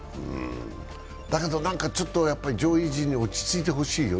だけど上位陣に落ち着いてほしいよね。